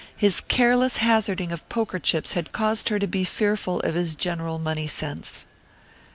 His careless hazarding of poker chips had caused her to be fearful of his general money sense.